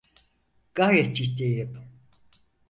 Gayet ciddiyim.